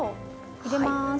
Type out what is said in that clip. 入れます。